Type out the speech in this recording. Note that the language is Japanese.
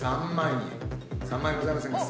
３万円ございませんか？